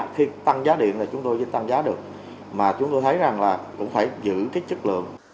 khi tăng giá điện là chúng tôi chỉ tăng giá được mà chúng tôi thấy rằng là cũng phải giữ cái chất lượng